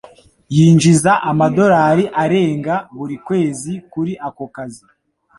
Yinjiza amadorari arenga buri kwezi kuri ako kazi.